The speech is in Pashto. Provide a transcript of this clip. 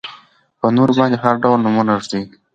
په نورو باندې هر ډول نومونه ږدي.